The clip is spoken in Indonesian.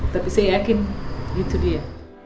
tapi saya yakin itu dia